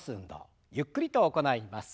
ゆっくりと行います。